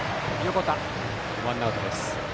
ワンアウトです。